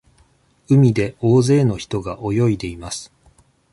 海で大勢の人が泳いでいます。